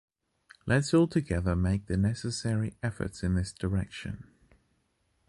Let's all together make the necessary efforts in this direction.